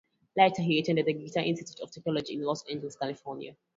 Later he attended the Guitar Institute of Technology in Los Angeles, California.